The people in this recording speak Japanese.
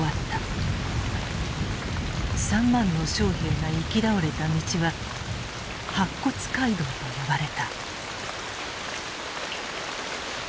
３万の将兵が行き倒れた道は白骨街道と呼ばれた。